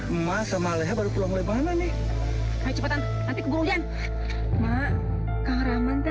emang sama lebar pulang lebaran nih cepetan nanti keburuian